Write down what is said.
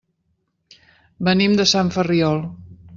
Venim de Sant Ferriol.